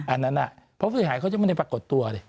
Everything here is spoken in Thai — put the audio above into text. อันนั้นเพราะผู้เสียหายเขาจะไม่ได้ปรากฏตัวเลย